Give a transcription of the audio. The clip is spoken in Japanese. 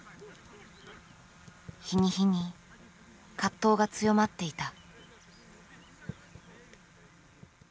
日に日に葛藤が強まっていた。